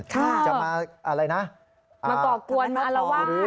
ค่ะจะมาอะไรนะมาต่อปวนมาละวาดหรือ